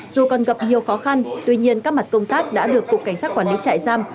dù còn gặp nhiều khó khăn tuy nhiên các mặt công tác đã được cục cảnh sát quản lý trại giam